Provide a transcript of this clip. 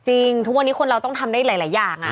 ทุกวันนี้คนเราต้องทำได้หลายอย่าง